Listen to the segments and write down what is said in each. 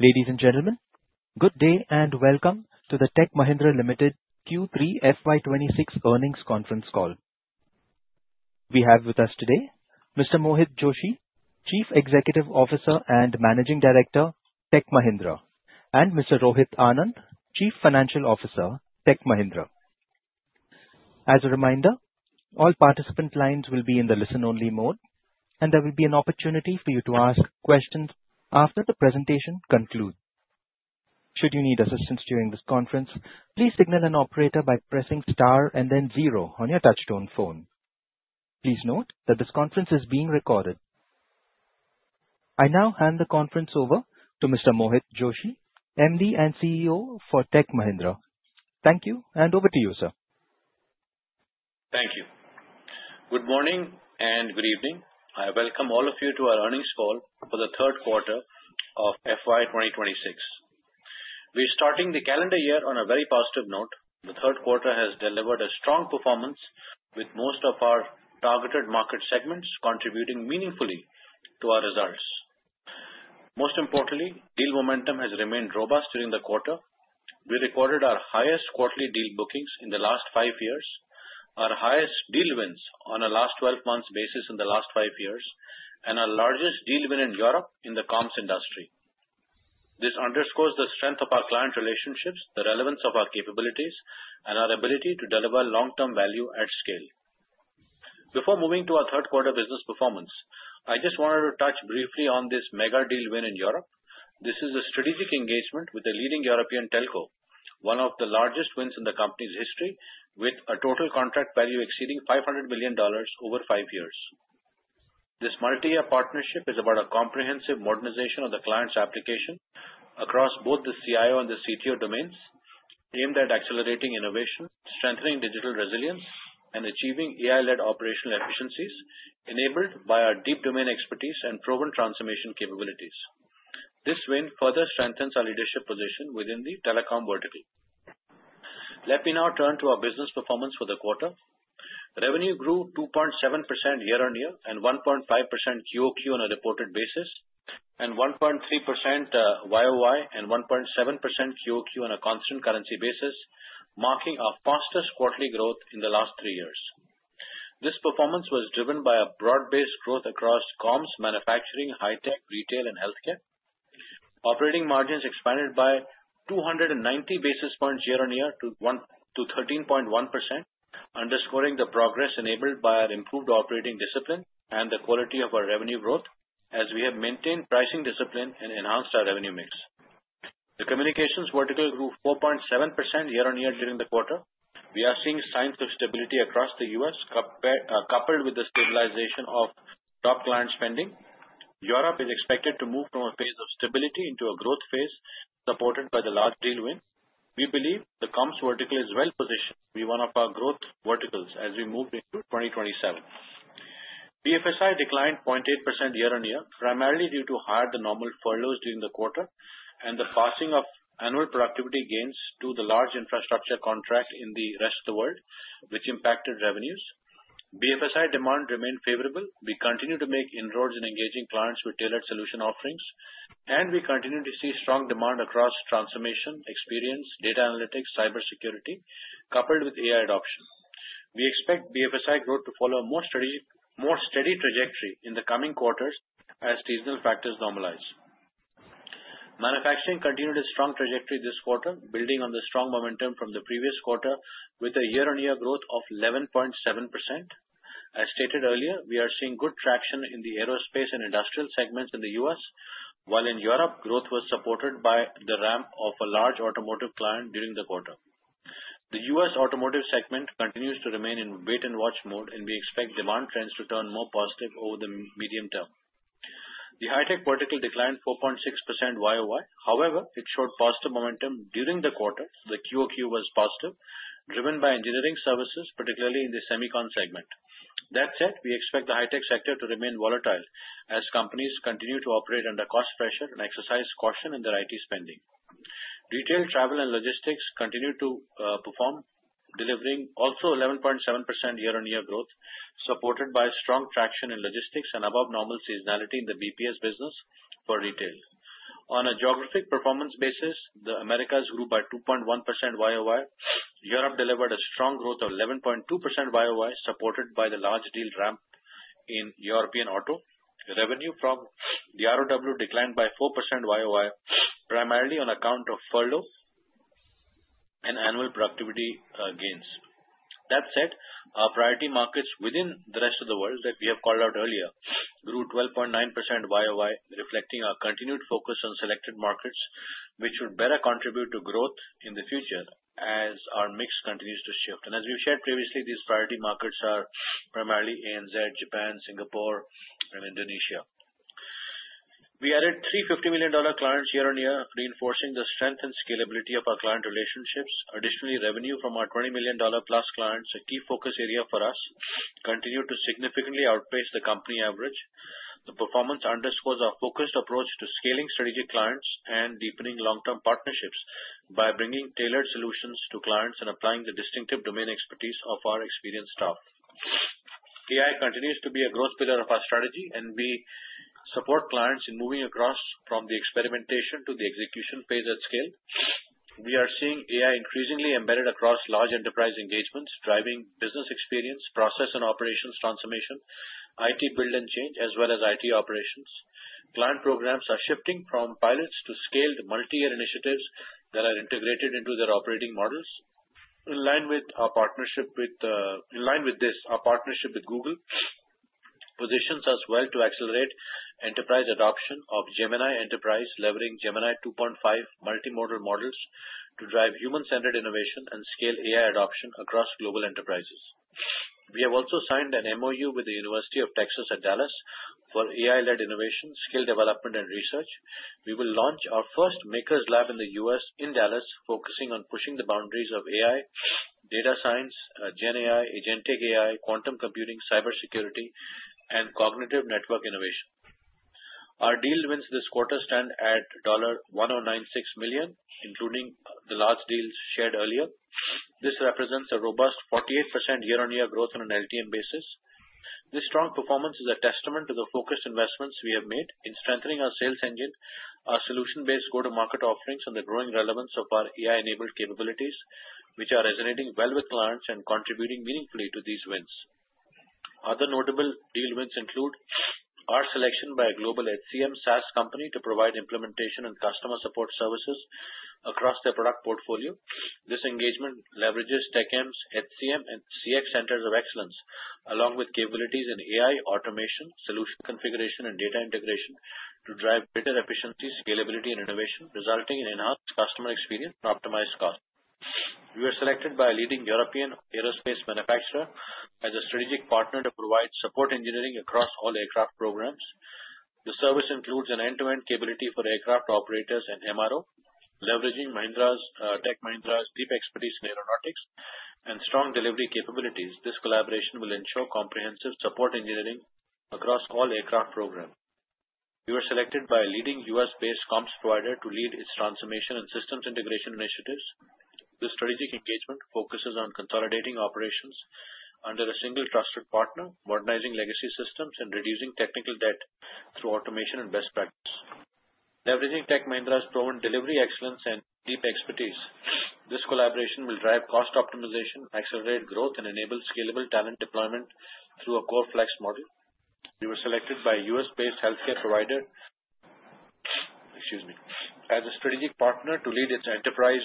Ladies and gentlemen, good day and welcome to the Tech Mahindra Limited Q3 FY 2026 earnings conference call. We have with us today Mr. Mohit Joshi, Chief Executive Officer and Managing Director, Tech Mahindra, and Mr. Rohit Anand, Chief Financial Officer, Tech Mahindra. As a reminder, all participant lines will be in the listen-only mode, and there will be an opportunity for you to ask questions after the presentation concludes. Should you need assistance during this conference, please signal an operator by pressing star and then zero on your touch-tone phone. Please note that this conference is being recorded. I now hand the conference over to Mr. Mohit Joshi, MD and CEO for Tech Mahindra. Thank you, and over to you, sir. Thank you. Good morning and good evening. I welcome all of you to our earnings call for the third quarter of FY 2026. We're starting the calendar year on a very positive note. The third quarter has delivered a strong performance, with most of our targeted market segments contributing meaningfully to our results. Most importantly, deal momentum has remained robust during the quarter. We recorded our highest quarterly deal bookings in the last five years, our highest deal wins on a last 12-month basis in the last five years, and our largest deal win in Europe in the comms industry. This underscores the strength of our client relationships, the relevance of our capabilities, and our ability to deliver long-term value at scale. Before moving to our third quarter business performance, I just wanted to touch briefly on this mega deal win in Europe. This is a strategic engagement with a leading European telco, one of the largest wins in the company's history, with a total contract value exceeding $500 million over five years. This multi-year partnership is about a comprehensive modernization of the client's application across both the CIO and the CTO domains, aimed at accelerating innovation, strengthening digital resilience, and achieving AI-led operational efficiencies enabled by our deep domain expertise and proven transformation capabilities. This win further strengthens our leadership position within the telecom vertical. Let me now turn to our business performance for the quarter. Revenue grew 2.7% year-on-year and 1.5% QoQ on a reported basis, and 1.3% YoY and 1.7% QoQ on a constant currency basis, marking our fastest quarterly growth in the last three years. This performance was driven by a broad-based growth across comms, manufacturing, high-tech, retail, and healthcare. Operating margins expanded by 290 basis points year-on-year to 13.1%, underscoring the progress enabled by our improved operating discipline and the quality of our revenue growth, as we have maintained pricing discipline and enhanced our revenue mix. The communications vertical grew 4.7% year-on-year during the quarter. We are seeing signs of stability across the U.S., coupled with the stabilization of top client spending. Europe is expected to move from a phase of stability into a growth phase supported by the large deal win. We believe the comms vertical is well positioned to be one of our growth verticals as we move into 2027. BFSI declined 0.8% year-on-year, primarily due to higher than normal furloughs during the quarter and the passing of annual productivity gains to the large infrastructure contract in the Rest of the World, which impacted revenues. BFSI demand remained favorable. We continue to make inroads in engaging clients with tailored solution offerings, and we continue to see strong demand across transformation experience, data analytics, cybersecurity, coupled with AI adoption. We expect BFSI growth to follow a more steady trajectory in the coming quarters as seasonal factors normalize. Manufacturing continued its strong trajectory this quarter, building on the strong momentum from the previous quarter, with a year-on-year growth of 11.7%. As stated earlier, we are seeing good traction in the aerospace and industrial segments in the U.S., while in Europe, growth was supported by the ramp of a large automotive client during the quarter. The U.S. automotive segment continues to remain in wait-and-watch mode, and we expect demand trends to turn more positive over the medium term. The high-tech vertical declined 4.6% YoY. However, it showed positive momentum during the quarter. The QoQ was positive, driven by engineering services, particularly in the semiconductor segment. That said, we expect the high-tech sector to remain volatile as companies continue to operate under cost pressure and exercise caution in their IT spending. Retail, travel, and logistics continued to perform, delivering also 11.7% year-on-year growth, supported by strong traction in logistics and above-normal seasonality in the BPS business for retail. On a geographic performance basis, the Americas grew by 2.1% YoY. Europe delivered a strong growth of 11.2% YoY, supported by the large deal ramp in European auto. Revenue from the ROW declined by 4% YoY, primarily on account of furlough and annual productivity gains. That said, our priority markets within the Rest of the World that we have called out earlier grew 12.9% YoY, reflecting our continued focus on selected markets, which should better contribute to growth in the future as our mix continues to shift, and as we've shared previously, these priority markets are primarily ANZ, Japan, Singapore, and Indonesia. We added three $50 million clients year-on-year, reinforcing the strength and scalability of our client relationships. Additionally, revenue from our $20 million-plus clients, a key focus area for us, continued to significantly outpace the company average. The performance underscores our focused approach to scaling strategic clients and deepening long-term partnerships by bringing tailored solutions to clients and applying the distinctive domain expertise of our experienced staff. AI continues to be a growth pillar of our strategy, and we support clients in moving across from the experimentation to the execution phase at scale. We are seeing AI increasingly embedded across large enterprise engagements, driving business experience, process, and operations transformation, IT build and change, as well as IT operations. Client programs are shifting from pilots to scaled multi-year initiatives that are integrated into their operating models. In line with our partnership with Google, positions us well to accelerate enterprise adoption of Gemini Enterprise, leveraging Gemini 2.5 multimodal models to drive human-centered innovation and scale AI adoption across global enterprises. We have also signed an MOU with the University of Texas at Dallas for AI-led innovation, skill development, and research. We will launch our first Makers Lab in the US in Dallas, focusing on pushing the boundaries of AI, data science, GenAI, agentic AI, quantum computing, cybersecurity, and cognitive network innovation. Our deal wins this quarter stand at $109.6 million, including the large deals shared earlier. This represents a robust 48% year-on-year growth on an LTM basis. This strong performance is a testament to the focused investments we have made in strengthening our sales engine, our solution-based go-to-market offerings, and the growing relevance of our AI-enabled capabilities, which are resonating well with clients and contributing meaningfully to these wins. Other notable deal wins include our selection by a global HCM SaaS company to provide implementation and customer support services across their product portfolio. This engagement leverages Tech Mahindra's HCM and CX centers of excellence, along with capabilities in AI automation, solution configuration, and data integration to drive better efficiency, scalability, and innovation, resulting in enhanced customer experience and optimized costs. We were selected by a leading European aerospace manufacturer as a strategic partner to provide support engineering across all aircraft programs. The service includes an end-to-end capability for aircraft operators and MRO, leveraging Tech Mahindra's deep expertise in aeronautics and strong delivery capabilities. This collaboration will ensure comprehensive support engineering across all aircraft programs. We were selected by a leading U.S.-based comms provider to lead its transformation and systems integration initiatives. This strategic engagement focuses on consolidating operations under a single trusted partner, modernizing legacy systems, and reducing technical debt through automation and best practices, leveraging Tech Mahindra's proven delivery excellence and deep expertise. This collaboration will drive cost optimization, accelerate growth, and enable scalable talent deployment through a Core Flex Model. We were selected by a U.S.-based healthcare provider as a strategic partner to lead its enterprise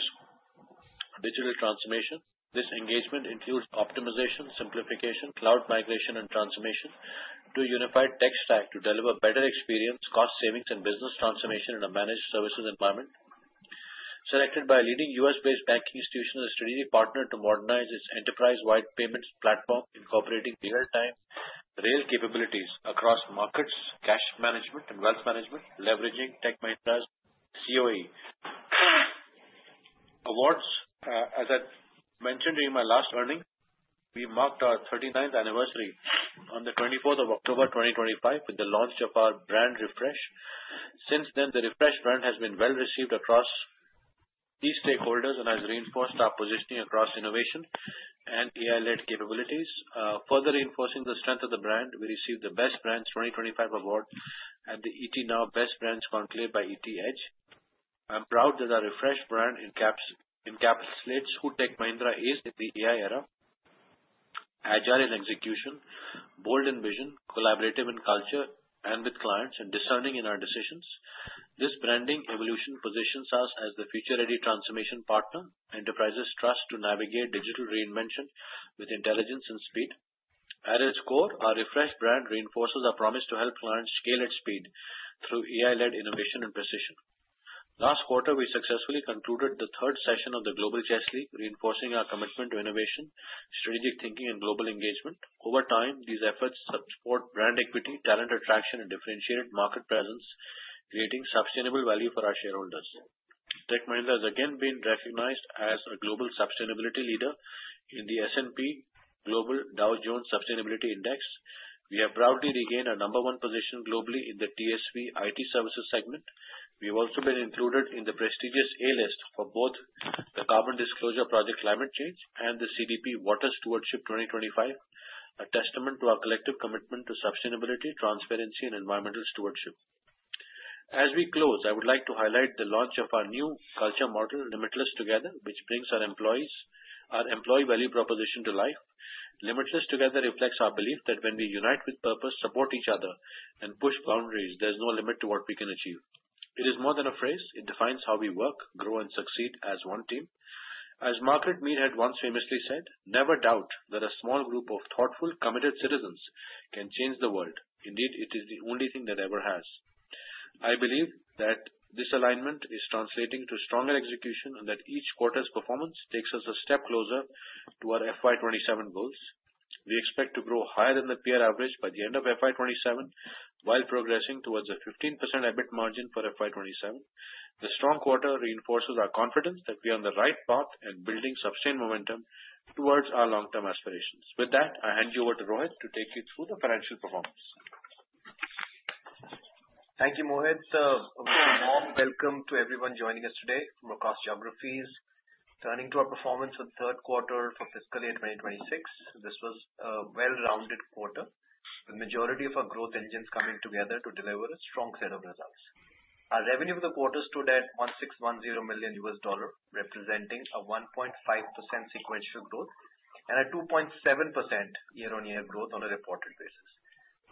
digital transformation. This engagement includes optimization, simplification, cloud migration, and transformation to a unified tech stack to deliver better experience, cost savings, and business transformation in a managed services environment. Selected by a leading U.S.-based banking institution as a strategic partner to modernize its enterprise-wide payments platform, incorporating real-time rail capabilities across markets, cash management, and wealth management, leveraging Tech Mahindra's CoE awards. As I mentioned during my last earnings, we marked our 39th anniversary on the 24th of October 2025 with the launch of our brand refresh. Since then, the refreshed brand has been well received across key stakeholders and has reinforced our positioning across innovation and AI-led capabilities, further reinforcing the strength of the brand. We received the Best Brands 2025 award at the ET Now Best Brands Conclave by ET Edge. I'm proud that our refreshed brand encapsulates who Tech Mahindra is in the AI era: agile in execution, bold in vision, collaborative in culture and with clients, and discerning in our decisions. This branding evolution positions us as the future-ready transformation partner enterprises trust to navigate digital reinvention with intelligence and speed. At its core, our refresh brand reinforces our promise to help clients scale at speed through AI-led innovation and precision. Last quarter, we successfully concluded the third session of the Global Chess League, reinforcing our commitment to innovation, strategic thinking, and global engagement. Over time, these efforts support brand equity, talent attraction, and differentiated market presence, creating sustainable value for our shareholders. Tech Mahindra has again been recognized as a global sustainability leader in the S&P Global Dow Jones Sustainability Index. We have proudly regained our number one position globally in the TSV IT services segment. We have also been included in the prestigious A-list for both the Carbon Disclosure Project Climate Change and the CDP Water Stewardship 2025, a testament to our collective commitment to sustainability, transparency, and environmental stewardship. As we close, I would like to highlight the launch of our new culture model, Limitless Together, which brings our employee value proposition to life. Limitless Together reflects our belief that when we unite with purpose, support each other, and push boundaries, there's no limit to what we can achieve. It is more than a phrase. It defines how we work, grow, and succeed as one team. As Margaret Mead had once famously said, "Never doubt that a small group of thoughtful, committed citizens can change the world. Indeed, it is the only thing that ever has." I believe that this alignment is translating to stronger execution and that each quarter's performance takes us a step closer to our FY 2027 goals. We expect to grow higher than the peer average by the end of FY 2027 while progressing towards a 15% EBIT margin for FY 2027. The strong quarter reinforces our confidence that we are on the right path and building sustained momentum towards our long-term aspirations. With that, I hand you over to Rohit to take you through the financial performance. Thank you, Mohit. A warm welcome to everyone joining us today from across geographies, turning to our performance for the third quarter for fiscal year 2026. This was a well-rounded quarter, with the majority of our growth engines coming together to deliver a strong set of results. Our revenue for the quarter stood at $1,610 million, representing a 1.5% sequential growth and a 2.7% year-on-year growth on a reported basis.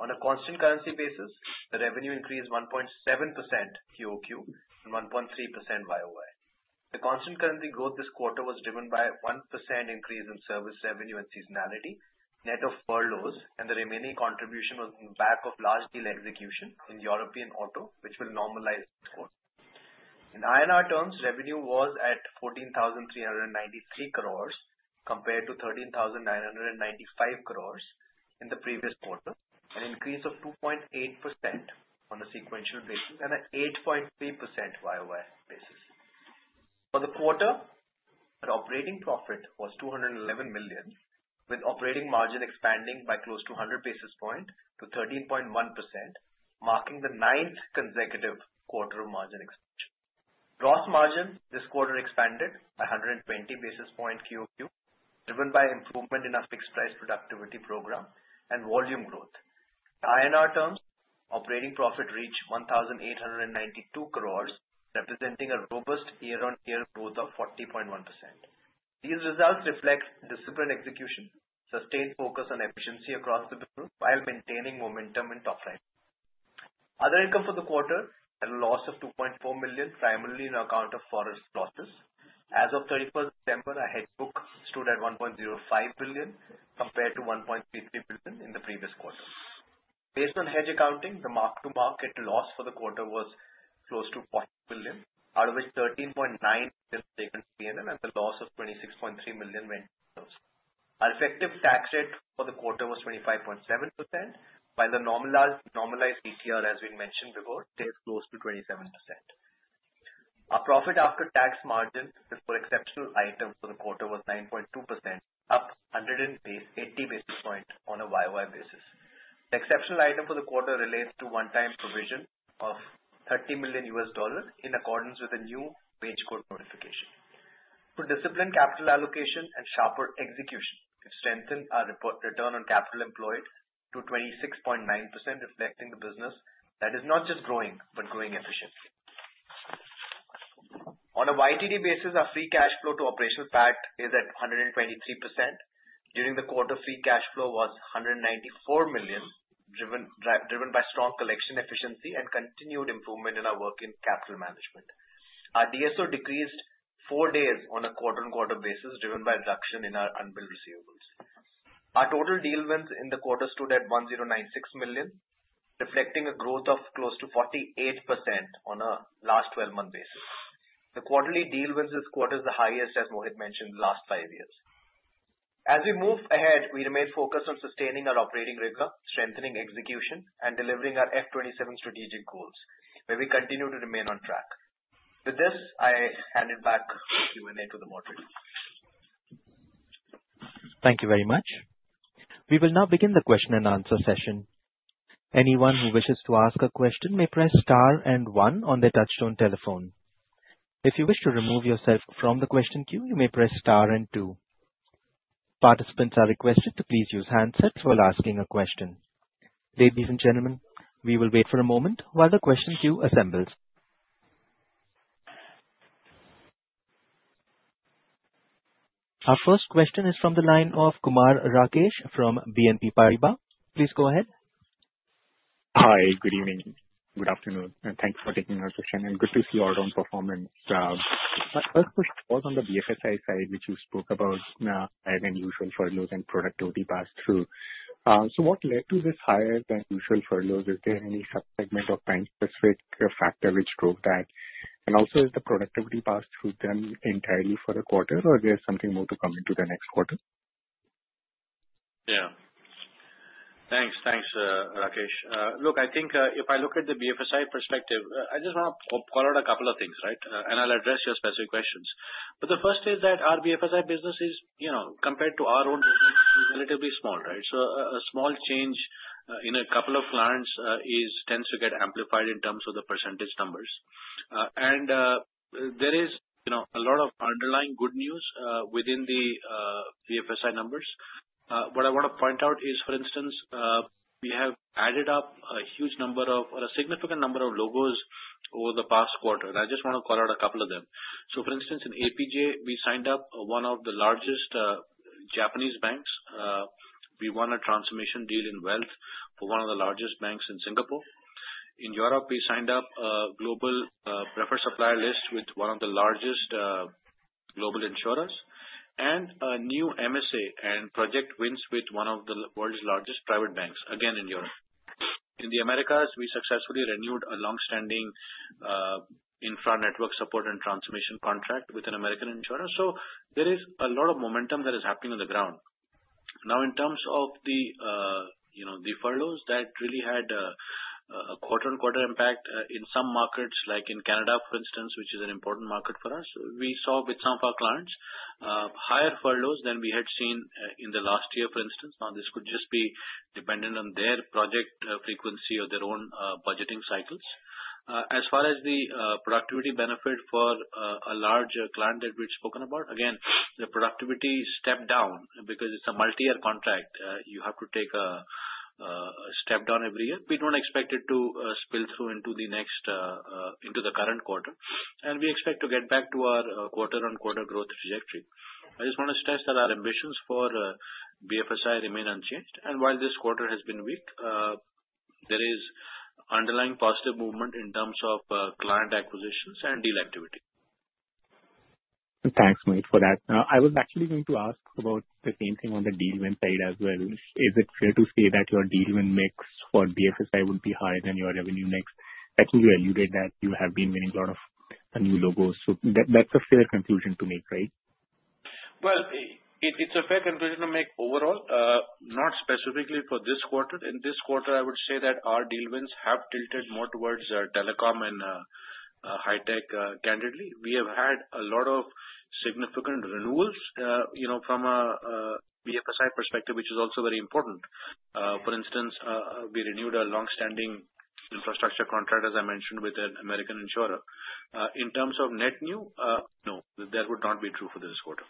On a constant currency basis, the revenue increased 1.7% QoQ and 1.3% YoY. The constant currency growth this quarter was driven by a 1% increase in service revenue and seasonality, net of furloughs, and the remaining contribution was in the back of large deal execution in European auto, which will normalize this quarter. In INR terms, revenue was at 14,393 crores compared to 13,995 crores in the previous quarter, an increase of 2.8% on a sequential basis and an 8.3% YoY basis. For the quarter, our operating profit was $211 million, with operating margin expanding by close to 100 basis points to 13.1%, marking the ninth consecutive quarter of margin expansion. Gross margin this quarter expanded by 120 basis points QoQ, driven by improvement in our fixed price productivity program and volume growth. In INR terms, operating profit reached 1,892 crores, representing a robust year-on-year growth of 40.1%. These results reflect disciplined execution, sustained focus on efficiency across the business, while maintaining momentum in top line. Other income for the quarter had a loss of $2.4 million, primarily on account of forex losses. As of 31st December, our hedge book stood at $1.05 billion compared to $1.33 billion in the previous quarter. Based on hedge accounting, the mark-to-market loss for the quarter was close to $40 million, out of which $13.9 million was taken as P&L, and the loss of $26.3 million went to OCI. Our effective tax rate for the quarter was 25.7%, while the normalized ETR, as we mentioned before, stayed close to 27%. Our profit after tax margin for exceptional items for the quarter was 9.2%, up 180 basis points on a YoY basis. The exceptional item for the quarter relates to one-time provision of $30 million in accordance with the new Wage Code notification. Through disciplined capital allocation and sharper execution, we've strengthened our return on capital employed to 26.9%, reflecting the business that is not just growing, but growing efficiently. On a YTD basis, our free cash flow to operational PAT is at 123%. During the quarter, free cash flow was $194 million, driven by strong collection efficiency and continued improvement in our working capital management. Our DSO decreased four days on a quarter-on-quarter basis, driven by reduction in our unbilled receivables. Our total deal wins in the quarter stood at $109.6 million, reflecting a growth of close to 48% on a last 12-month basis. The quarterly deal wins this quarter is the highest, as Mohit mentioned, the last five years. As we move ahead, we remain focused on sustaining our operating rigor, strengthening execution, and delivering our FY 2027 strategic goals, where we continue to remain on track. With this, I hand it back to Q&A to the moderator. Thank you very much. We will now begin the question and answer session. Anyone who wishes to ask a question may press star and one on their touch-tone telephone. If you wish to remove yourself from the question queue, you may press star and two. Participants are requested to please use handsets while asking a question. Ladies and gentlemen, we will wait for a moment while the question queue assembles. Our first question is from the line of Kumar Rakesh from BNP Paribas. Please go ahead. Hi, good evening. Good afternoon. Thanks for taking our question. And good to see all-round performance. My first question was on the BFSI side, which you spoke about, higher than usual furloughs and productivity pass-through. So what led to this higher than usual furloughs? Is there any subsegment or time-specific factor which drove that? And also, is the productivity pass-through done entirely for the quarter, or is there something more to come into the next quarter? Yeah. Thanks, thanks, Rakesh. Look, I think if I look at the BFSI perspective, I just want to point out a couple of things, right? And I'll address your specific questions. But the first is that our BFSI business is, compared to our own business, relatively small, right? So a small change in a couple of clients tends to get amplified in terms of the percentage numbers. And there is a lot of underlying good news within the BFSI numbers. What I want to point out is, for instance, we have added up a huge number of, or a significant number of logos over the past quarter. I just want to call out a couple of them. For instance, in APJ, we signed up one of the largest Japanese banks. We won a transformation deal in wealth for one of the largest banks in Singapore. In Europe, we signed up a global preferred supplier list with one of the largest global insurers, and a new MSA and project wins with one of the world's largest private banks, again in Europe. In the Americas, we successfully renewed a long-standing infra network support and transformation contract with an American insurer. There is a lot of momentum that is happening on the ground. Now, in terms of the furloughs that really had a quarter-on-quarter impact in some markets, like in Canada, for instance, which is an important market for us, we saw with some of our clients higher furloughs than we had seen in the last year, for instance. Now, this could just be dependent on their project frequency or their own budgeting cycles. As far as the productivity benefit for a large client that we've spoken about, again, the productivity stepped down because it's a multi-year contract. You have to take a step down every year. We don't expect it to spill through into the next, into the current quarter. And we expect to get back to our quarter-on-quarter growth trajectory. I just want to stress that our ambitions for BFSI remain unchanged. While this quarter has been weak, there is underlying positive movement in terms of client acquisitions and deal activity. Thanks, Mohit, for that. I was actually going to ask about the same thing on the deal wins side as well. Is it fair to say that your deal win mix for BFSI would be higher than your revenue mix? I think you alluded that you have been winning a lot of new logos. So that's a fair conclusion to make, right? It's a fair conclusion to make overall, not specifically for this quarter. In this quarter, I would say that our deal wins have tilted more towards telecom and high-tech, candidly. We have had a lot of significant renewals from a BFSI perspective, which is also very important. For instance, we renewed a long-standing infrastructure contract, as I mentioned, with an American insurer. In terms of net new, no, that would not be true for this quarter.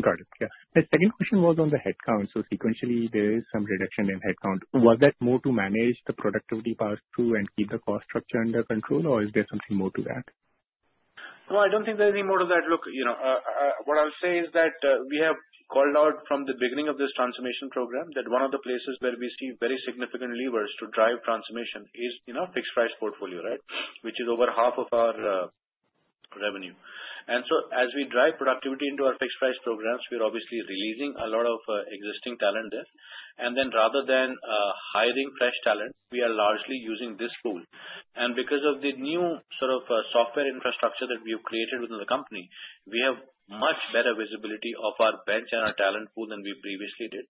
Got it. Yeah. My second question was on the headcount. So sequentially, there is some reduction in headcount. Was that more to manage the productivity pass-through and keep the cost structure under control, or is there something more to that? Well, I don't think there is any more to that. Look, what I'll say is that we have called out from the beginning of this transformation program that one of the places where we see very significant levers to drive transformation is in our fixed price portfolio, right, which is over half of our revenue. And so, as we drive productivity into our fixed price programs, we are obviously releasing a lot of existing talent there. And then, rather than hiring fresh talent, we are largely using this pool. Because of the new sort of software infrastructure that we have created within the company, we have much better visibility of our bench and our talent pool than we previously did.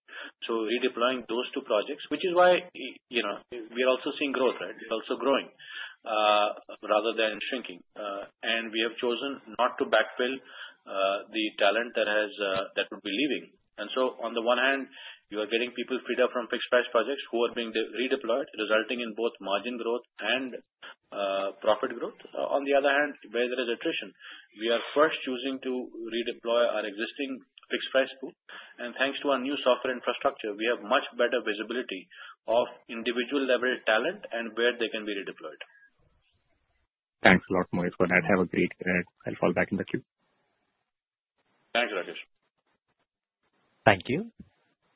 So redeploying those two projects, which is why we are also seeing growth, right? It's also growing rather than shrinking. And we have chosen not to backfill the talent that would be leaving. And so, on the one hand, you are getting people freed up from fixed price projects who are being redeployed, resulting in both margin growth and profit growth. On the other hand, where there is attrition, we are first choosing to redeploy our existing fixed price pool. And thanks to our new software infrastructure, we have much better visibility of individual-level talent and where they can be redeployed. Thanks a lot, Mohit, for that. Have a great day. I'll follow back in the queue. Thanks, Rakesh. Thank you.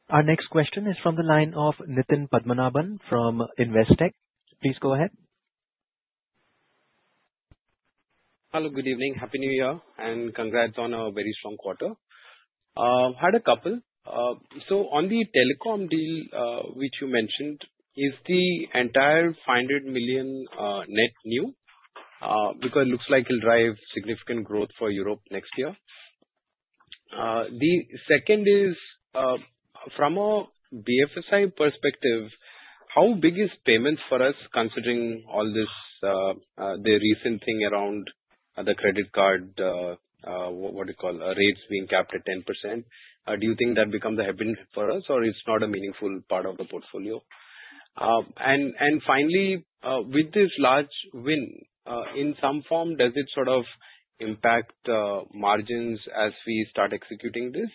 Our next question is from the line of Nitin Padmanabhan from Investec. Please go ahead. Hello, good evening. Happy New Year and congrats on a very strong quarter. Had a couple. So on the telecom deal which you mentioned, is the entire $500 million net new because it looks like it'll drive significant growth for Europe next year? The second is, from a BFSI perspective, how big is payment for us, considering all this, the recent thing around the credit card, what do you call, rates being capped at 10%? Do you think that becomes a headwind for us, or it's not a meaningful part of the portfolio? And finally, with this large win, in some form, does it sort of impact margins as we start executing this?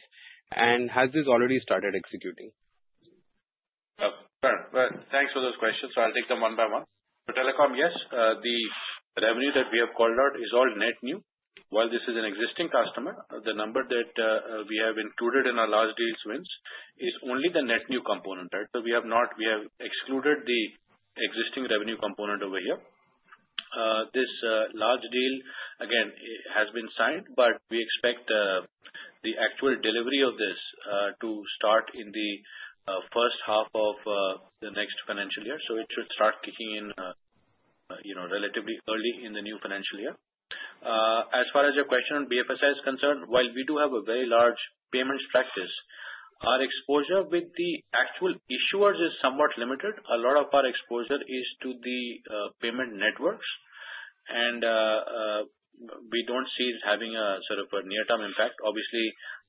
And has this already started executing? Thanks for those questions. So I'll take them one by one. For telecom, yes. The revenue that we have called out is all net new. While this is an existing customer, the number that we have included in our large deals wins is only the net new component, right? So we have excluded the existing revenue component over here. This large deal, again, has been signed, but we expect the actual delivery of this to start in the first half of the next financial year. So it should start kicking in relatively early in the new financial year. As far as your question on BFSI is concerned, while we do have a very large payments practice, our exposure with the actual issuers is somewhat limited. A lot of our exposure is to the payment networks, and we don't see it having a sort of a near-term impact. Obviously,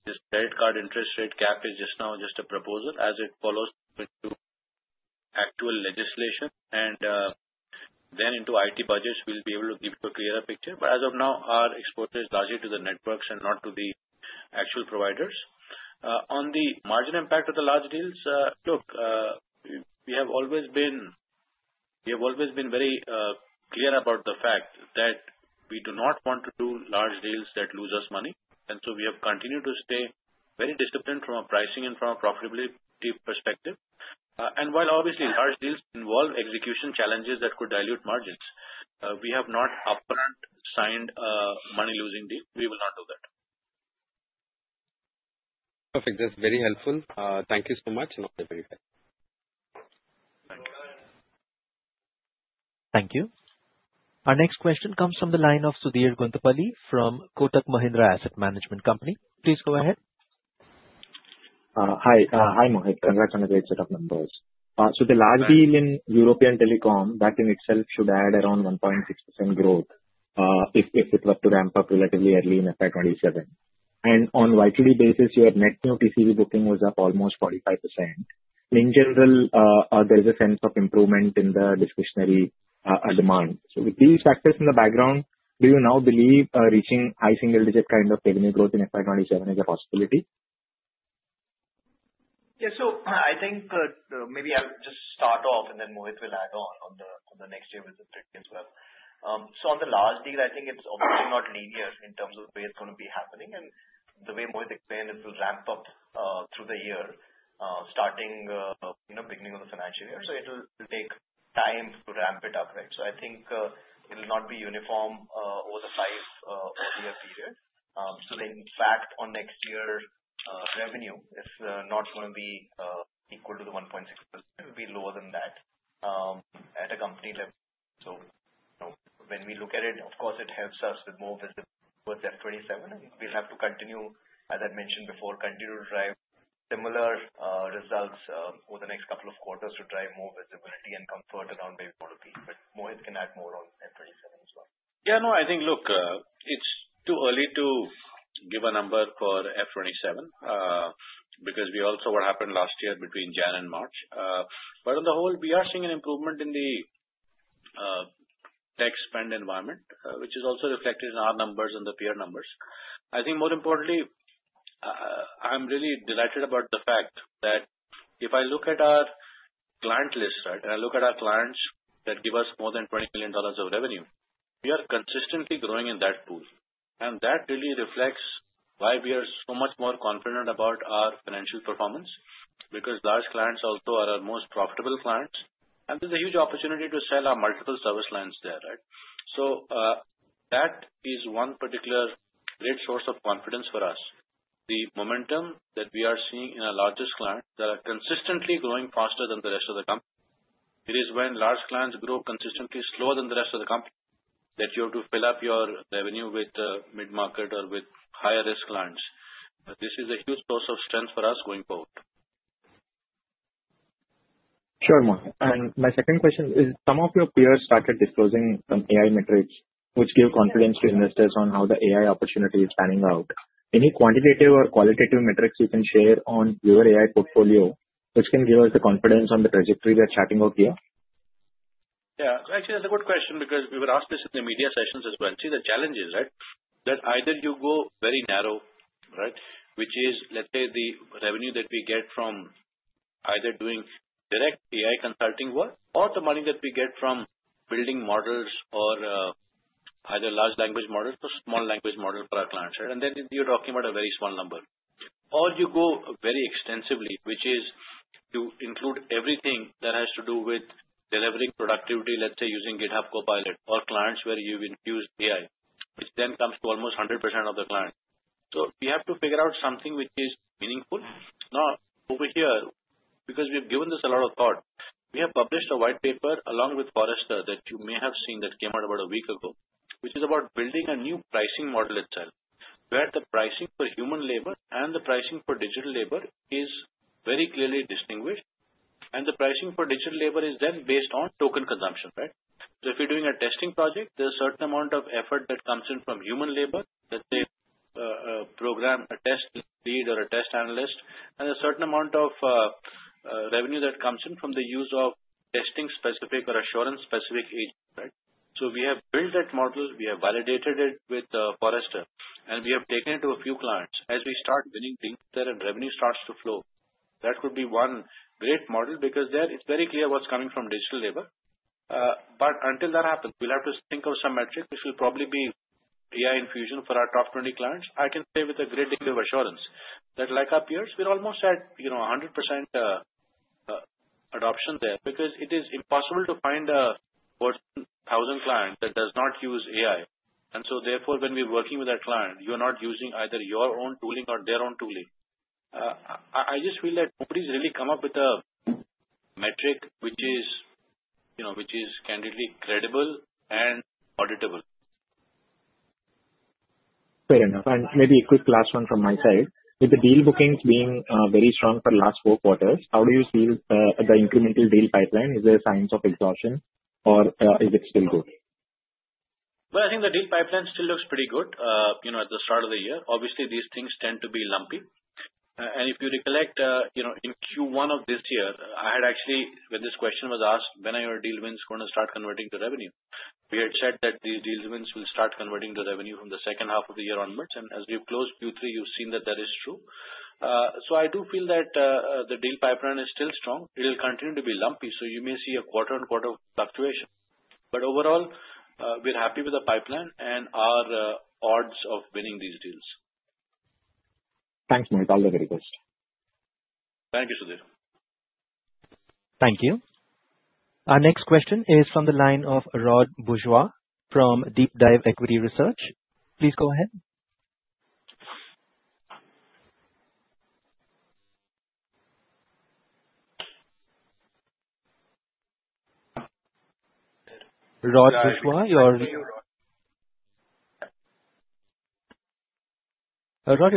this credit card interest rate cap is just now a proposal as it follows into actual legislation and then into IT budgets. We'll be able to give you a clearer picture. But as of now, our exposure is largely to the networks and not to the actual providers. On the margin impact of the large deals, look, we have always been very clear about the fact that we do not want to do large deals that lose us money. And so we have continued to stay very disciplined from a pricing and from a profitability perspective. And while obviously large deals involve execution challenges that could dilute margins, we have not upfront signed a money-losing deal. We will not do that. Perfect. That's very helpful. Thank you so much. And all the very best. Thank you. Thank you. Our next question comes from the line of Sudhir Guntupalli from Kotak Mahindra Asset Management Company. Please go ahead. Hi. Hi, Mohit. Congrats on a great set of numbers. So the large deal in European telecom that in itself should add around 1.6% growth if it were to ramp up relatively early in FY 27. And on a YTD basis, your net new TCV booking was up almost 45%. In general, there is a sense of improvement in the discretionary demand. So with these factors in the background, do you now believe reaching high single-digit kind of revenue growth in FY 27 is a possibility? Yeah. So I think maybe I'll just start off, and then Mohit will add on the next year with the trade as well. So on the large deal, I think it's obviously not linear in terms of where it's going to be happening. The way Mohit explained, it will ramp up through the year, starting beginning of the financial year. So it'll take time to ramp it up, right? So I think it'll not be uniform over the five-year period. So the impact on next year's revenue is not going to be equal to the 1.6%. It will be lower than that at a company level. So when we look at it, of course, it helps us with more visibility towards F27. And we'll have to continue, as I mentioned before, continue to drive similar results over the next couple of quarters to drive more visibility and comfort around where we want to be, but Mohit can add more on F27 as well. Yeah. No, I think, look, it's too early to give a number for F27 because we also saw what happened last year between January and March. But on the whole, we are seeing an improvement in the tech spend environment, which is also reflected in our numbers and the PR numbers. I think more importantly, I'm really delighted about the fact that if I look at our client list, right, and I look at our clients that give us more than $20 million of revenue, we are consistently growing in that pool. And that really reflects why we are so much more confident about our financial performance because large clients also are our most profitable clients. And there's a huge opportunity to sell our multiple service lines there, right? So that is one particular great source of confidence for us. The momentum that we are seeing in our largest clients that are consistently growing faster than the rest of the company. It is when large clients grow consistently slower than the rest of the company that you have to fill up your revenue with mid-market or with higher-risk clients. This is a huge source of strength for us going forward. Sure, Mohit. And my second question is, some of your peers started disclosing some AI metrics which give confidence to investors on how the AI opportunity is panning out. Any quantitative or qualitative metrics you can share on your AI portfolio which can give us the confidence on the trajectory we are chatting about here? Yeah. Actually, that's a good question because we were asked this in the media sessions as well. See, the challenge is, right, that either you go very narrow, right, which is, let's say, the revenue that we get from either doing direct AI consulting work or the money that we get from building models or either large language models or small language models for our clients, right, and then you're talking about a very small number, or you go very extensively, which is to include everything that has to do with delivering productivity, let's say, using GitHub Copilot or clients where you've infused AI, which then comes to almost 100% of the clients, so we have to figure out something which is meaningful. Now, over here, because we have given this a lot of thought, we have published a white paper along with Forrester that you may have seen that came out about a week ago, which is about building a new pricing model itself where the pricing for human labor and the pricing for digital labor is very clearly distinguished, and the pricing for digital labor is then based on token consumption, right? So if you're doing a testing project, there's a certain amount of effort that comes in from human labor, let's say a program, a test lead or a test analyst, and a certain amount of revenue that comes in from the use of testing-specific or assurance-specific agents, right, so we have built that model. We have validated it with Forrester, and we have taken it to a few clients. As we start winning things there and revenue starts to flow, that could be one great model because there it's very clear what's coming from digital labor. But until that happens, we'll have to think of some metric, which will probably be AI infusion for our top 20 clients. I can say with a great degree of assurance that, like our peers, we're almost at 100% adoption there because it is impossible to find a 1,000 client that does not use AI. And so, therefore, when we're working with that client, you're not using either your own tooling or their own tooling. I just feel that nobody's really come up with a metric which is candidly credible and auditable. Fair enough. And maybe a quick last one from my side. With the deal bookings being very strong for the last four quarters, how do you see the incremental deal pipeline? Is there a sign of exhaustion, or is it still good? Well, I think the deal pipeline still looks pretty good at the start of the year. Obviously, these things tend to be lumpy. And if you recollect, in Q1 of this year, I had actually, when this question was asked, when are your deal wins going to start converting to revenue? We had said that these deal wins will start converting to revenue from the second half of the year onwards. And as we've closed Q3, you've seen that that is true. So I do feel that the deal pipeline is still strong. It'll continue to be lumpy, so you may see a quarter-on-quarter fluctuation. But overall, we're happy with the pipeline and our odds of winning these deals. Thanks, Mohit. All the very best. Thank you, Sudhir. Thank you. Our next question is from the line of Rod Bourgeois from DeepDive Equity Research. Please go ahead. Rod Bourgeois, your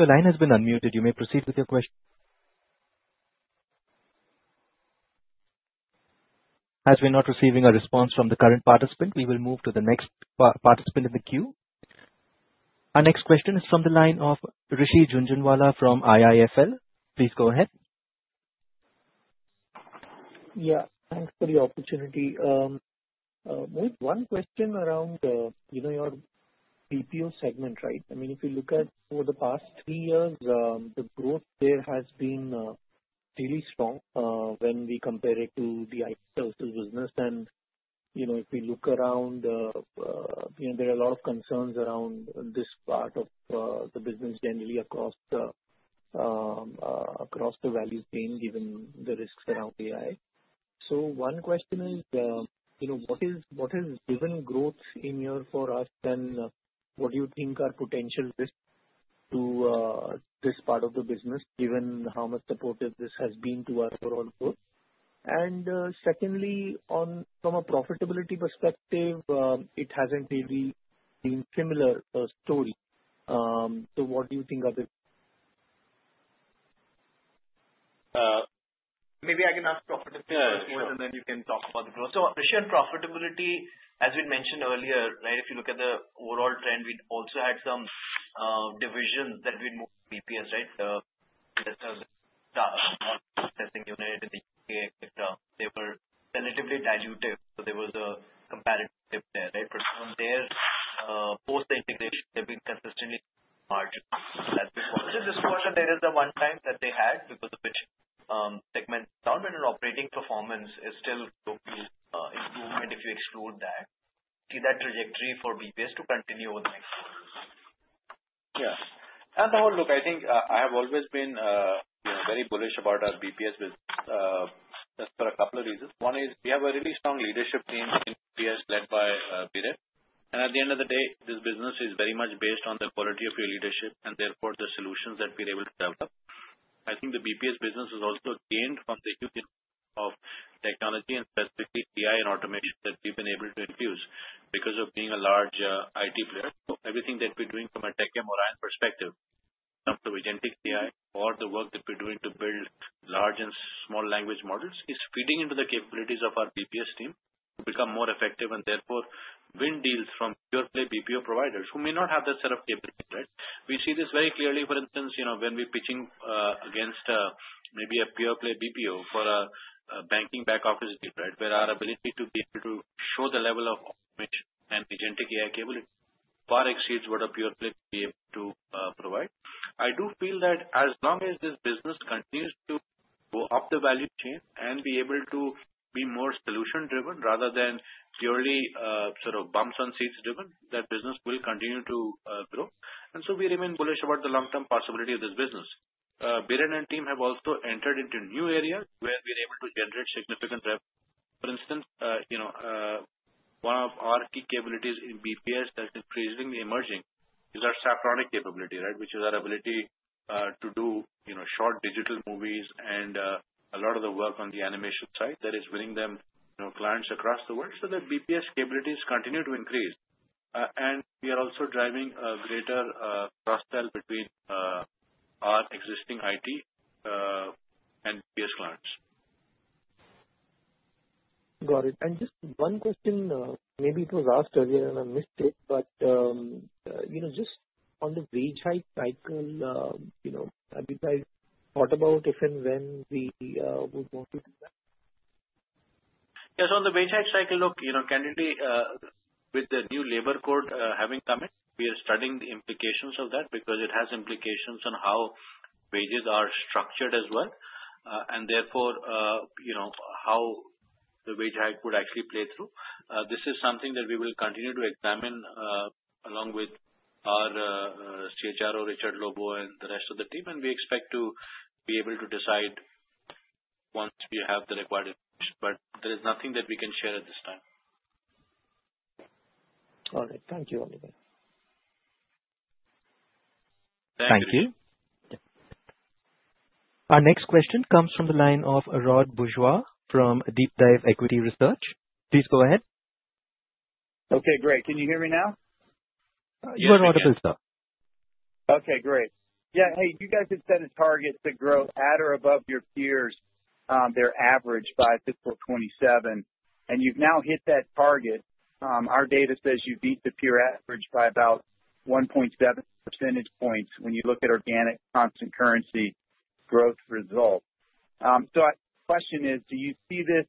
line has been unmuted. You may proceed with your question. As we're not receiving a response from the current participant, we will move to the next participant in the queue. Our next question is from the line of Rishi Jhunjhunwala from IIFL Securities. Please go ahead. Yeah. Thanks for the opportunity. Mohit, one question around your BPO segment, right? I mean, if you look at over the past three years, the growth there has been really strong when we compare it to the IT services business. And if we look around, there are a lot of concerns around this part of the business generally across the value chain, given the risks around AI. So one question is, what has driven growth in year four? What do you think are potential risks to this part of the business, given how much support it has been to our overall growth? And secondly, from a profitability perspective, it hasn't really been a similar story. So what do you think are the? Maybe I can ask profitability first, Mohit, and then you can talk about the growth. So profitability, as we mentioned earlier, right, if you look at the overall trend, we also had some divisions that we moved to BPS, right? The testing unit in the U.K., etc., they were relatively dilutive. So there was a comparative dip there, right? From there, post-integration, they've been consistently larger. As we saw this quarter, there is a one-time that they had because of which segment downturn and operating performance is still showing improvement if you exclude that. See that trajectory for BPS to continue over the next four years? Yeah. On the whole, look, I think I have always been very bullish about our BPS business. That's for a couple of reasons. One is we have a really strong leadership team in BPS led by Biren. And at the end of the day, this business is very much based on the quality of your leadership and therefore the solutions that we're able to develop. I think the BPS business has also gained from the use of technology and specifically AI and automation that we've been able to infuse because of being a large IT player. Everything that we're doing from a tech and more holistic perspective, some of the agentic AI or the work that we're doing to build large and small language models is feeding into the capabilities of our BPS team to become more effective and therefore win deals from pure-play BPO providers who may not have that set of capabilities, right? We see this very clearly, for instance, when we're pitching against maybe a pure-play BPO for a banking back-office deal, right, where our ability to be able to show the level of automation and agentic AI capability far exceeds what a pure-play BPO can provide. I do feel that as long as this business continues to go up the value chain and be able to be more solution-driven rather than purely sort of bumps-on-seats-driven, that business will continue to grow. And so we remain bullish about the long-term possibility of this business. Biren and team have also entered into new areas where we're able to generate significant revenue. For instance, one of our key capabilities in BPS that is increasingly emerging is our Saffronic capability, right, which is our ability to do short digital movies and a lot of the work on the animation side that is winning them clients across the world. So the BPS capabilities continue to increase. And we are also driving a greater cross-sell between our existing IT and BPS clients. Got it. And just one question. Maybe it was asked earlier on a mistake, but just on the wage hike cycle, have you guys thought about if and when we would want to do that? Yeah. So on the wage hike cycle, look, candidly, with the new labor code having come in, we are studying the implications of that because it has implications on how wages are structured as well and therefore how the wage hike would actually play through. This is something that we will continue to examine along with our CHRO, Richard Lobo, and the rest of the team. And we expect to be able to decide once we have the required information. But there is nothing that we can share at this time. All right. Thank you, Oliver. Thank you. Thank you. Our next question comes from the line of Rod Bourgeois from DeepDive Equity Research. Please go ahead. Okay. Great. Can you hear me now? You are audible, sir. Okay. Great. Yeah. Hey, you guys had set a target to grow at or above your peers, their average by fiscal 2027. You've now hit that target. Our data says you've beat the peer average by about 1.7 percentage points when you look at organic constant currency growth results. The question is, do you see this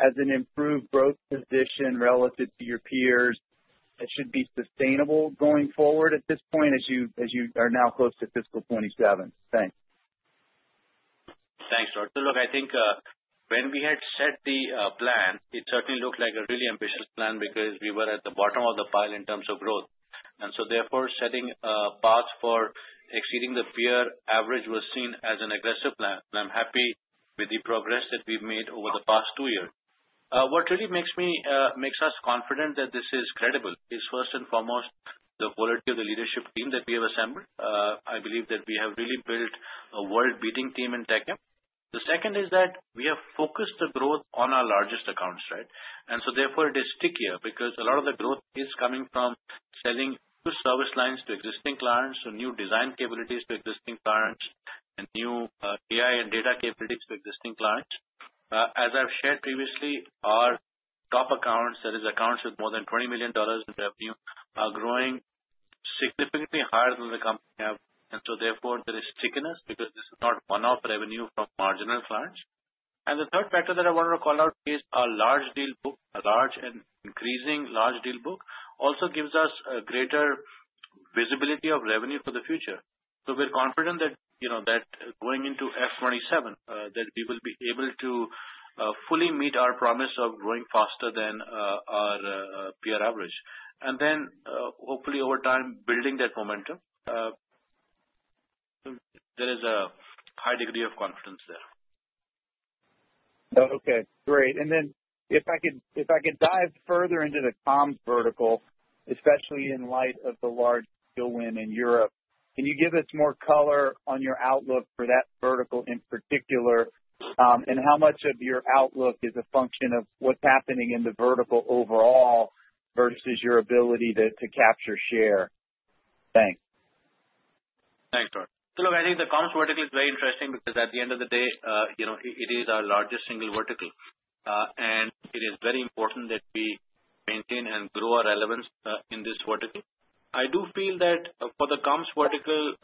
as an improved growth position relative to your peers that should be sustainable going forward at this point as you are now close to fiscal 2027? Thanks. Thanks, Rod. Look, I think when we had set the plan, it certainly looked like a really ambitious plan because we were at the bottom of the pile in terms of growth. So therefore, setting paths for exceeding the peer average was seen as an aggressive plan. I'm happy with the progress that we've made over the past two years. What really makes us confident that this is credible is, first and foremost, the quality of the leadership team that we have assembled. I believe that we have really built a world-beating team in Tech Mahindra. The second is that we have focused the growth on our largest accounts, right? And so therefore, it is stickier because a lot of the growth is coming from selling new service lines to existing clients, so new design capabilities to existing clients, and new AI and data capabilities to existing clients. As I've shared previously, our top accounts, that is, accounts with more than $20 million in revenue, are growing significantly higher than the company have. And so therefore, there is stickiness because this is not one-off revenue from marginal clients. And the third factor that I wanted to call out is our large deal book. A large and increasing large deal book also gives us a greater visibility of revenue for the future. We're confident that going into F27, we will be able to fully meet our promise of growing faster than our peer average. And then, hopefully, over time, building that momentum. There is a high degree of confidence there. Okay. Great. And then if I could dive further into the comms vertical, especially in light of the large deal win in Europe, can you give us more color on your outlook for that vertical in particular? And how much of your outlook is a function of what's happening in the vertical overall versus your ability to capture share? Thanks. Thanks, Rod. Look, I think the comms vertical is very interesting because, at the end of the day, it is our largest single vertical. And it is very important that we maintain and grow our relevance in this vertical. I do feel that for the comms vertical,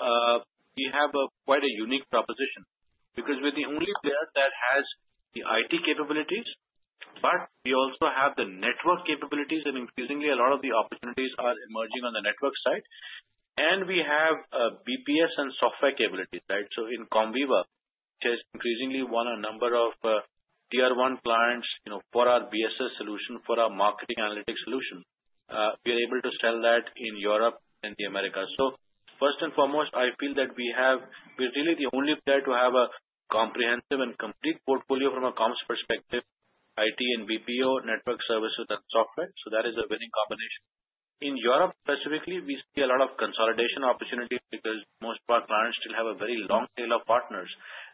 we have quite a unique proposition because we're the only player that has the IT capabilities, but we also have the network capabilities. And increasingly, a lot of the opportunities are emerging on the network side. And we have BPS and software capabilities, right? So in Comviva, which has increasingly won a number of tier-one clients for our BSS solution, for our marketing analytics solution, we are able to sell that in Europe and the Americas. So first and foremost, I feel that we're really the only player to have a comprehensive and complete portfolio from a comms perspective: IT and BPO, network services, and software. So that is a winning combination. In Europe specifically, we see a lot of consolidation opportunities because most of our clients still have a very long tail of partners.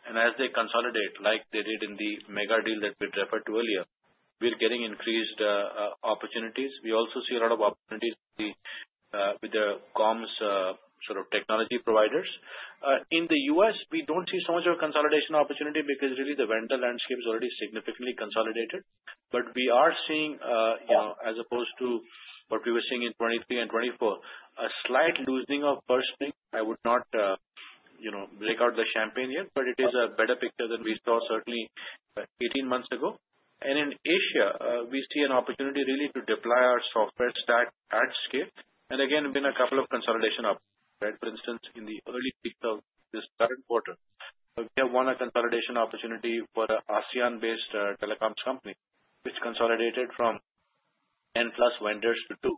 And as they consolidate, like they did in the mega deal that we referred to earlier, we're getting increased opportunities. We also see a lot of opportunities with the comms sort of technology providers. In the US, we don't see so much of a consolidation opportunity because really the vendor landscape is already significantly consolidated. But we are seeing, as opposed to what we were seeing in 2023 and 2024, a slight loosening of purse strings. I would not break out the champagne yet, but it is a better picture than we saw certainly 18 months ago. And in Asia, we see an opportunity really to deploy our software stack at scale. And again, we've won a couple of consolidation opportunities, right? For instance, in the early weeks of this current quarter, we have won a consolidation opportunity for an ASEAN-based telecoms company, which consolidated from 10-plus vendors to two.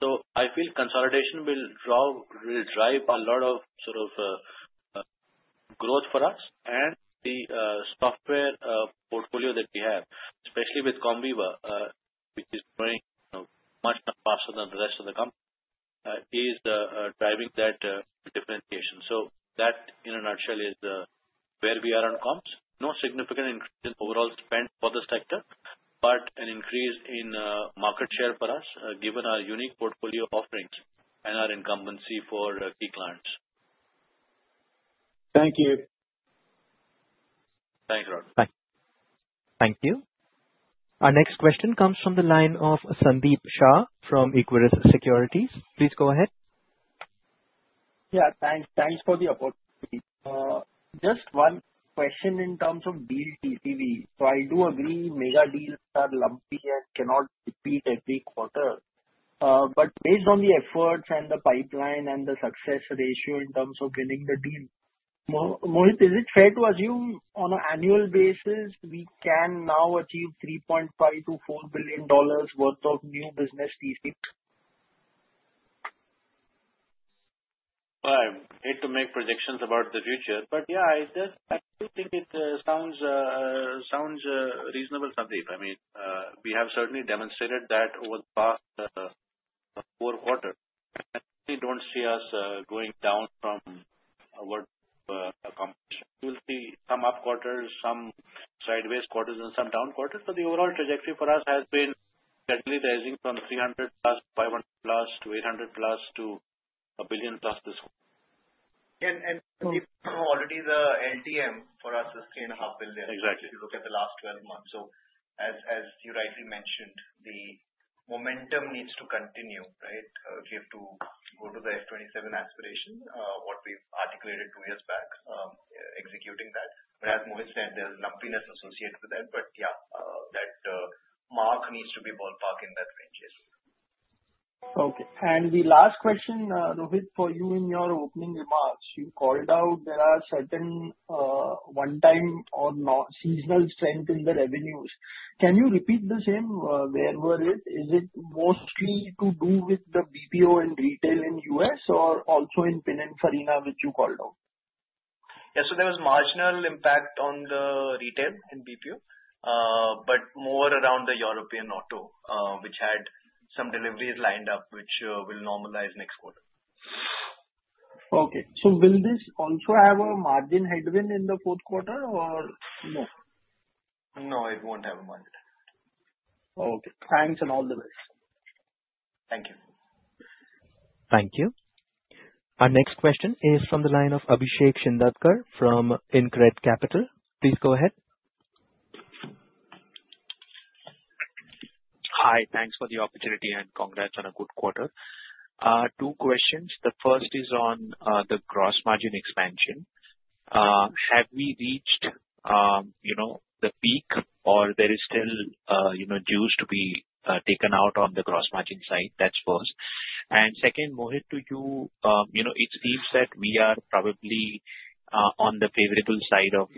So I feel consolidation will drive a lot of sort of growth for us. And the software portfolio that we have, especially with Comviva, which is growing much faster than the rest of the company, is driving that differentiation. So that, in a nutshell, is where we are on comms. No significant increase in overall spend for the sector, but an increase in market share for us, given our unique portfolio offerings and our incumbency for key clients. Thank you. Thanks, Rod. Thank you. Our next question comes from the line of Sandeep Shah from Equirus Securities. Please go ahead. Yeah. Thanks for the opportunity. Just one question in terms of deal TCV. So I do agree mega deals are lumpy and cannot be beat every quarter. But based on the efforts and the pipeline and the success ratio in terms of winning the deal, Mohit, is it fair to assume on an annual basis we can now achieve $3.5-$4 billion worth of new business TCV? I hate to make predictions about the future, but yeah, I do think it sounds reasonable, Sandeep. I mean, we have certainly demonstrated that over the past four quarters. I don't see us going down from what we've accomplished. We'll see some up quarters, some sideways quarters, and some down quarters. But the overall trajectory for us has been steadily rising from 300 plus, 500 plus, to 800 plus, to a billion plus this quarter. And already the LTM for us is $3.5 billion if you look at the last 12 months. So as you rightly mentioned, the momentum needs to continue, right? If you have to go to the F27 aspiration, what we've articulated two years back, executing that. But as Mohit said, there's lumpiness associated with that. But yeah, that mark needs to be ballpark in that range. Yes. Okay. And the last question, Rohit, for you in your opening remarks. You called out there are certain one-time or seasonal strength in the revenues. Can you repeat the same? Where were it? Is it mostly to do with the BPO and retail in the US or also in Pininfarina, which you called out? Yeah. So there was marginal impact on the retail in BPO, but more around the European auto, which had some deliveries lined up, which will normalize next quarter. Okay. So will this also have a margin headwind in the fourth quarter or no? No, it won't have a margin headwind. Okay. Thanks and all the best. Thank you. Thank you. Our next question is from the line of Abhishek Shindadkar from InCred Capital. Please go ahead. Hi. Thanks for the opportunity and congrats on a good quarter. Two questions. The first is on the gross margin expansion. Have we reached the peak or there is still juice to be taken out on the gross margin side? That's first. And second, Mohit, to you, it seems that we are probably on the favorable side of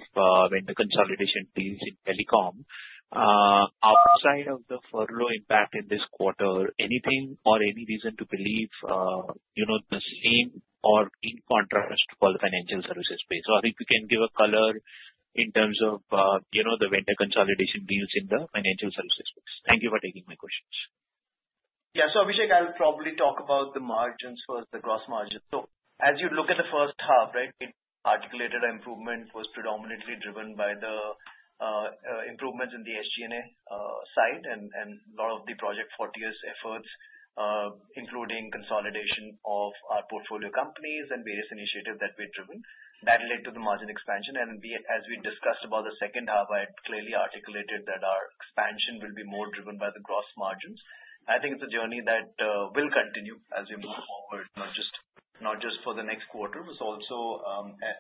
vendor consolidation deals in telecom. Outside of the furlough impact in this quarter, anything or any reason to believe the same or in contrast for the financial services space? So I think we can give a color in terms of the vendor consolidation deals in the financial services space. Thank you for taking my questions. Yeah. So Abhishek, I'll probably talk about the margins first, the gross margins. So as you look at the first half, right, we articulated our improvement was predominantly driven by the improvements in the SG&A side and a lot of the Project Fortius efforts, including consolidation of our portfolio companies and various initiatives that we've driven. That led to the margin expansion. And as we discussed about the second half, I clearly articulated that our expansion will be more driven by the gross margins. I think it's a journey that will continue as we move forward, not just for the next quarter, but also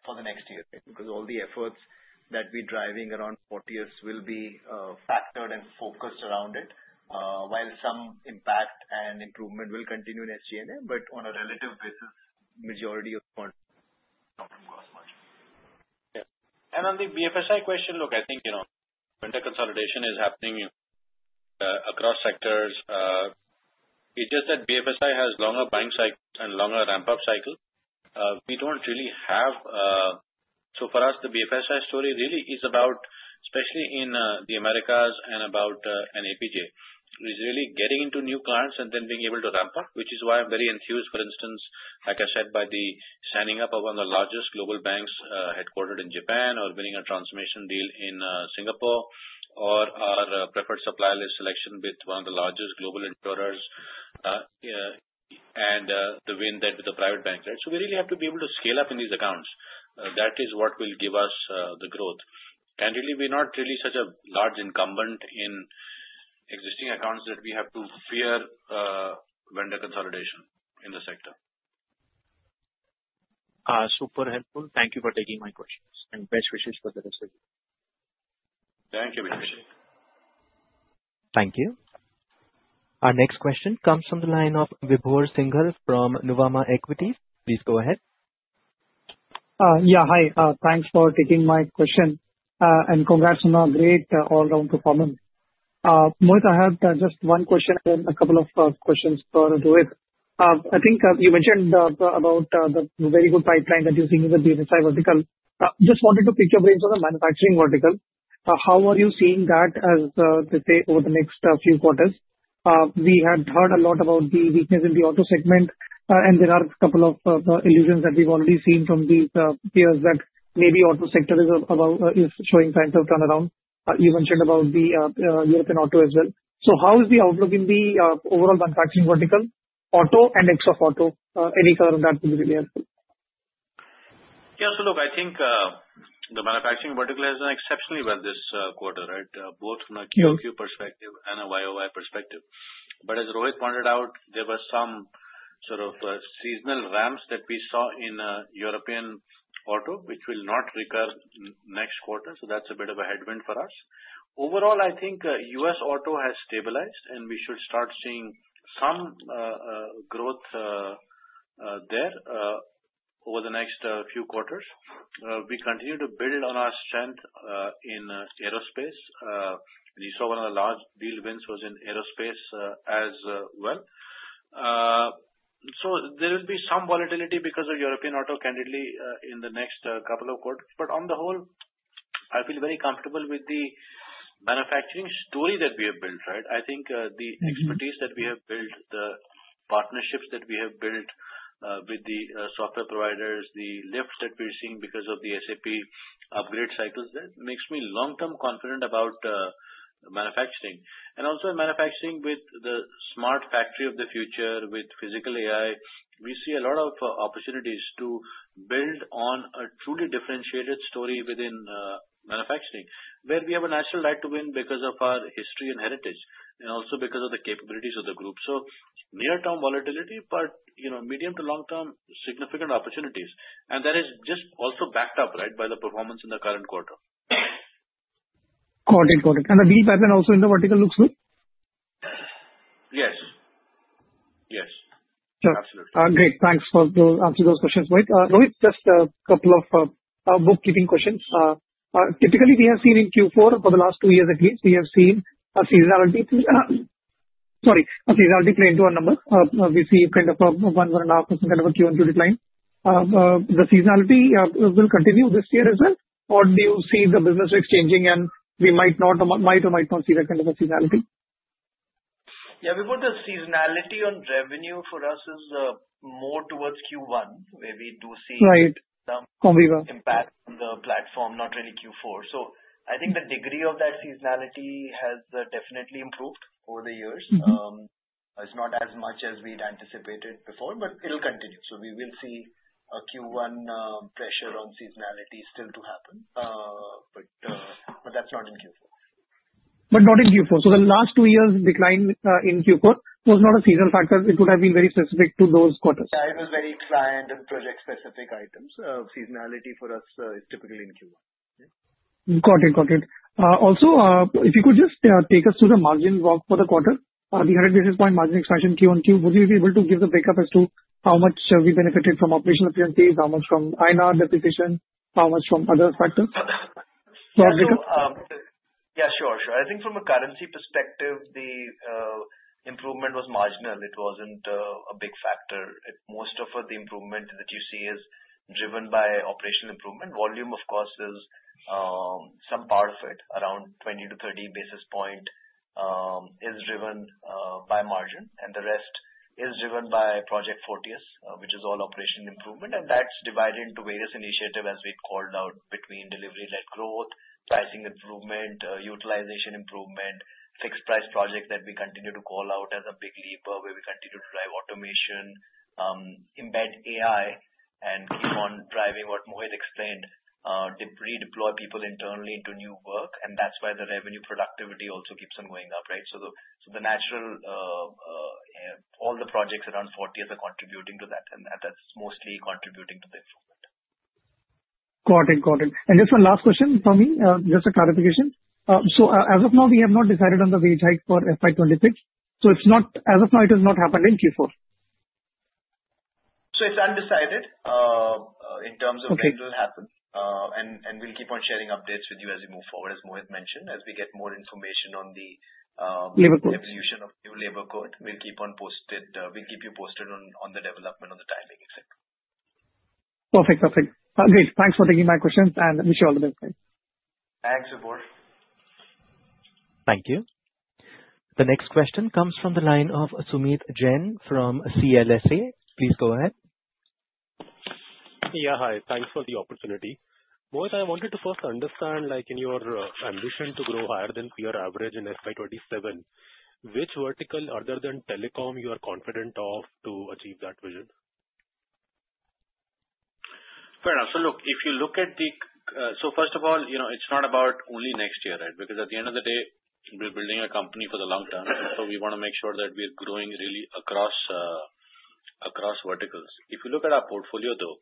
for the next year because all the efforts that we're driving around Fortius will be factored and focused around it, while some impact and improvement will continue in SG&A, but on a relative basis, majority of funds come from gross margins. Yeah. And on the BFSI question, look, I think vendor consolidation is happening across sectors. It's just that BFSI has longer buying cycles and longer ramp-up cycles. We don't really have so for us, the BFSI story really is about, especially in the Americas and about an APJ, is really getting into new clients and then being able to ramp up, which is why I'm very enthused, for instance, like I said, by the signing up of one of the largest global banks headquartered in Japan or winning a transformation deal in Singapore or our preferred supplier list selection with one of the largest global employers and the win that with the private bank, right? So we really have to be able to scale up in these accounts. That is what will give us the growth and really, we're not really such a large incumbent in existing accounts that we have to fear vendor consolidation in the sector. .Super helpful. Thank you for taking my questions and best wishes for the rest of you. Thank you, Abhishek. Thank you. Our next question comes from the line of Vibhor Singhal from Nuvama Equities. Please go ahead. Yeah. Hi. Thanks for taking my question. And congrats on a great all-round performance. Mohit, I have just one question and then a couple of questions for Rohit. I think you mentioned about the very good pipeline that you're seeing in the BFSI vertical. Just wanted to pick your brains on the manufacturing vertical. How are you seeing that, as they say, over the next few quarters? We had heard a lot about the weakness in the auto segment, and there are a couple of allusions that we've already seen from these peers that maybe the auto sector is showing signs of turnaround. You mentioned about the European auto as well. So how is the outlook in the overall manufacturing vertical, auto and ex-auto? Any color on that would be really helpful. Yeah. So look, I think the manufacturing vertical has done exceptionally well this quarter, right, both from a QoQ perspective and a YoY perspective. But as Rohit pointed out, there were some sort of seasonal ramps that we saw in European auto, which will not recur next quarter. So that's a bit of a headwind for us. Overall, I think US auto has stabilized, and we should start seeing some growth there over the next few quarters. We continue to build on our strength in aerospace. And you saw one of the large deal wins was in aerospace as well. So there will be some volatility because of European auto, candidly, in the next couple of quarters. But on the whole, I feel very comfortable with the manufacturing story that we have built, right? I think the expertise that we have built, the partnerships that we have built with the software providers, the lifts that we're seeing because of the SAP upgrade cycles, that makes me long-term confident about manufacturing. And also in manufacturing with the smart factory of the future, with physical AI, we see a lot of opportunities to build on a truly differentiated story within manufacturing, where we have a natural right to win because of our history and heritage and also because of the capabilities of the group. So near-term volatility, but medium to long-term significant opportunities. And that is just also backed up, right, by the performance in the current quarter. Got it. Got it. And the deal pipeline also in the vertical looks good? Yes. Yes. Absolutely. Great. Thanks for answering those questions, Rohit. Rohit, just a couple of bookkeeping questions. Typically, we have seen in Q4 for the last two years at least, we have seen a seasonality play into our number. We see kind of a 1%-1.5% kind of a Q1 to decline. The seasonality will continue this year as well? Or do you see the business rates changing and we might not or might not see that kind of a seasonality? Yeah. We put a seasonality on revenue for us is more towards Q1, where we do see some impact on the platform, not really Q4. So I think the degree of that seasonality has definitely improved over the years. It's not as much as we'd anticipated before, but it'll continue. So we will see a Q1 pressure on seasonality still to happen. But that's not in Q4. But not in Q4. So the last two years' decline in Q4 was not a seasonal factor. It would have been very specific to those quarters. Yeah. It was very client- and project-specific items. Seasonality for us is typically in Q1. Got it. Also, if you could just take us through the margin walk for the quarter, the 100 basis point margin expansion Q1, Q2, would you be able to give the break-up as to how much we benefited from operational efficiencies, how much from INR depreciation, how much from other factors? Yeah. Sure. I think from a currency perspective, the improvement was marginal. It wasn't a big factor. Most of the improvement that you see is driven by operational improvement. Volume, of course, is some part of it. Around 20-30 basis points is driven by margin. The rest is driven by Project Fortius, which is all operational improvement. That's divided into various initiatives, as we called out, between delivery-led growth, pricing improvement, utilization improvement, fixed-price project that we continue to call out as a big leap where we continue to drive automation, embed AI, and keep on driving what Mohit explained, redeploy people internally into new work. That's why the revenue productivity also keeps on going up, right? All the projects around Fortius are contributing to that. That's mostly contributing to the improvement. Got it. Got it. Just one last question for me, just a clarification. As of now, we have not decided on the wage hike for FY 2026. As of now, it has not happened in Q4? It's undecided in terms of when it will happen. And we'll keep on sharing updates with you as we move forward, as Mohit mentioned, as we get more information on the evolution of the new labor code. We'll keep on posted. We'll keep you posted on the development of the timing, etc. Perfect. Perfect. Great. Thanks for taking my questions. And wish you all the best. Thanks, Vibhor. Thank you. The next question comes from the line of Sumeet Jain from CLSA. Please go ahead. Yeah. Hi. Thanks for the opportunity. Mohit, I wanted to first understand, in your ambition to grow higher than peer average in FY 2027, which vertical, other than telecom, you are confident of to achieve that vision? Fair enough. So look, if you look at the so first of all, it's not about only next year, right? Because at the end of the day, we're building a company for the long term. So we want to make sure that we're growing really across verticals. If you look at our portfolio, though,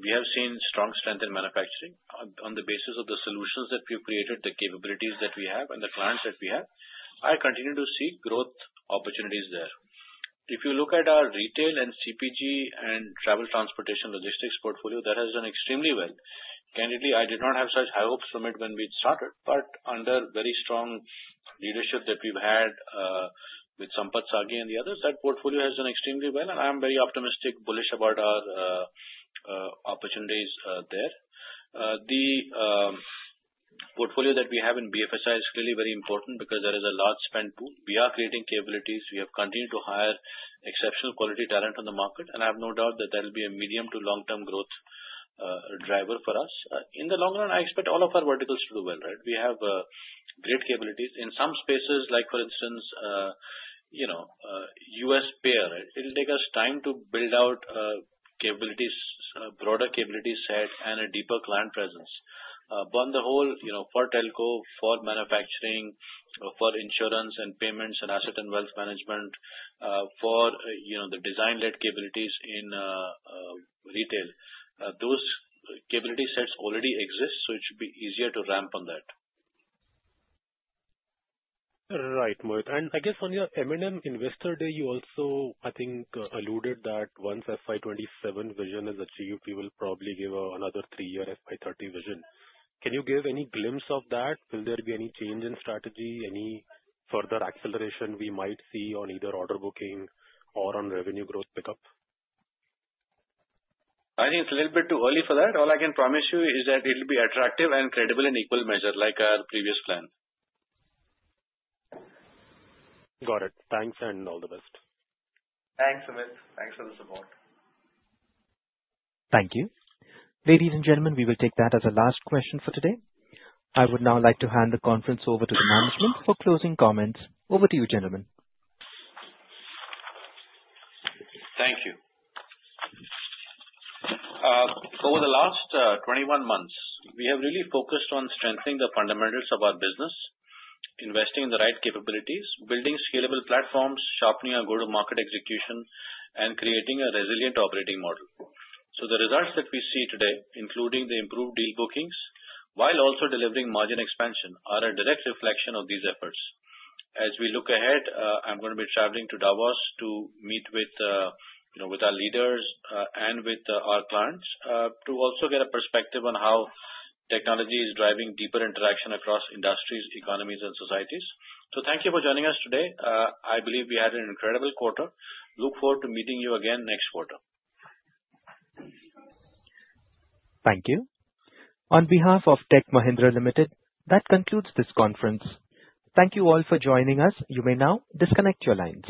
we have seen strong strength in manufacturing on the basis of the solutions that we've created, the capabilities that we have, and the clients that we have. I continue to see growth opportunities there. If you look at our retail and CPG and travel transportation logistics portfolio, that has done extremely well. Candidly, I did not have such high hopes from it when we started, but under very strong leadership that we've had with Sampath Saggi and the others, that portfolio has done extremely well. And I'm very optimistic, bullish about our opportunities there. The portfolio that we have in BFSI is clearly very important because there is a large spend too. We are creating capabilities. We have continued to hire exceptional quality talent on the market. And I have no doubt that there will be a medium to long-term growth driver for us. In the long run, I expect all of our verticals to do well, right? We have great capabilities. In some spaces, like for instance, US payer, it'll take us time to build out broader capability set and a deeper client presence. But on the whole, for telco, for manufacturing, for insurance and payments and asset and wealth management, for the design-led capabilities in retail, those capability sets already exist, so it should be easier to ramp on that. Right, Mohit. And I guess on your M&M Investor Day, you also, I think, alluded that once FY 2027 vision is achieved, we will probably give another three-year FY30 vision. Can you give any glimpse of that? Will there be any change in strategy, any further acceleration we might see on either order booking or on revenue growth pickup? I think it's a little bit too early for that. All I can promise you is that it'll be attractive and credible in equal measure, like our previous plan. Got it. Thanks and all the best. Thanks, Sumeet. Thanks for the support. Thank you. Ladies and gentlemen, we will take that as a last question for today. I would now like to hand the conference over to the management for closing comments. Over to you, gentlemen. Thank you. Over the last 21 months, we have really focused on strengthening the fundamentals of our business, investing in the right capabilities, building scalable platforms, sharpening our go-to-market execution, and creating a resilient operating model. So the results that we see today, including the improved deal bookings while also delivering margin expansion, are a direct reflection of these efforts. As we look ahead, I'm going to be traveling to Davos to meet with our leaders and with our clients to also get a perspective on how technology is driving deeper interaction across industries, economies, and societies. So thank you for joining us today. I believe we had an incredible quarter. Look forward to meeting you again next quarter. Thank you. On behalf of Tech Mahindra Limited, that concludes this conference. Thank you all for joining us. You may now disconnect your lines.